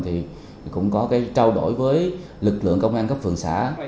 thì cũng có cái trao đổi với lực lượng công an cấp phường xã